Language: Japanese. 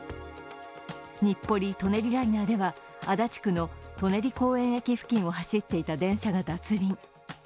日暮里・舎人ライナーでは足立区の舎人公園駅付近を走っていた電車が脱輪。